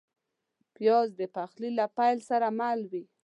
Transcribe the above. پیاز د پخلي له پیل سره مل وي